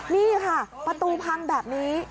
นี่ค่ะประตูพังแบบนี้